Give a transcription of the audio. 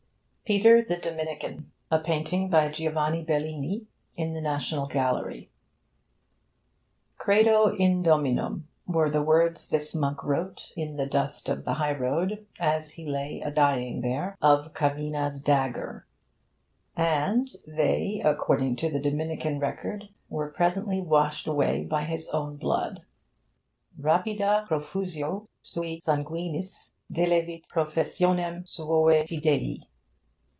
'PETER THE DOMINICAN' A PAINTING BY GIOVANNI BELLINI, IN THE NATIONAL GALLERY 'Credo in Dominum' were the words this monk wrote in the dust of the high road, as he lay a dying there of Cavina's dagger; and they, according to the Dominican record, were presently washed away by his own blood 'rapida profusio sui sanguinis delevit professionem suoe fidei.'